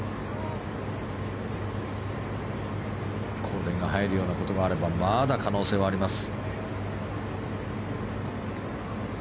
これが入るようなことがあればまだ可能性はあります。